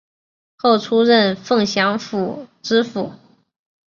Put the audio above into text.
后出任凤翔府知府。